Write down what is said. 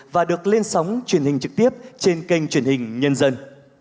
và được lên sóng truyền hình trực tiếp trên kênh truyền hình nhân dân